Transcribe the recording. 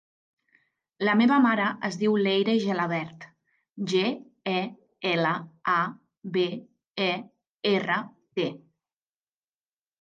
La meva mare es diu Leyre Gelabert: ge, e, ela, a, be, e, erra, te.